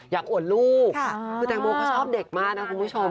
อวดลูกคือแตงโมเขาชอบเด็กมากนะคุณผู้ชม